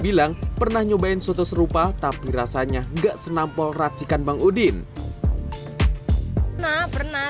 bilang pernah nyobain soto serupa tapi rasanya enggak senampol racikan bang udin nah pernah